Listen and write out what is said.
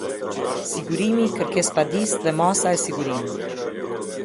Sigurimi i kërkesëpadisë dhe masa e sigurimit.